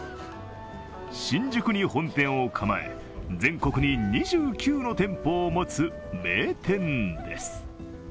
新宿に本店を構え、全国に２９の店舗を持つ名店です。